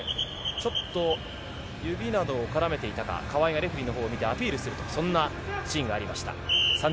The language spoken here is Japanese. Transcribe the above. ちょっと指などをかまえていたか、川井がレフェリーのほうを見てアピールする形がありました。